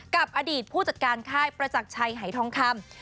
กับอดีตผู้จัดการค่ายประจักรชัยหายทองคำ